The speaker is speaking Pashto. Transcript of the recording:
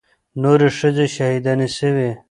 نورې ښځې شهيدانې سوې.